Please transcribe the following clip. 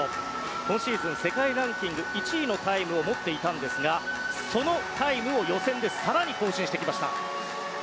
今シーズン世界ランキング１位のタイムを持っていたんですがそのタイムを予選で更に更新してきました。